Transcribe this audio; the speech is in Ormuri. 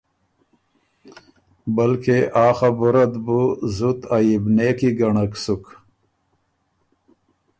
بلکه آ خبُره بُو زُت عئب نېکی ګنړک سُک۔